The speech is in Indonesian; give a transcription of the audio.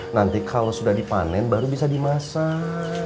nanti kalau sudah dipanen baru bisa dimasak